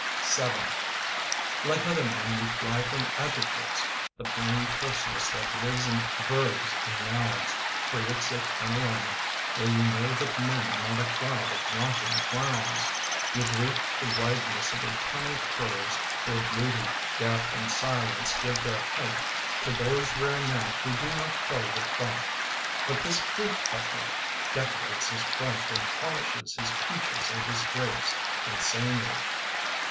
VII JL/IKE other men you fly from adjectives. The plain terseness that lives in verbs and nouns Creates a panorama where you know That men are not a cloud of romping clowns. You greet the wideness of eternal curves Where beauty, death and silence give their height To those rare men who do not play with thought. But this fruit peddler decorates his fright And polishes his peaches and his grapes Insanely.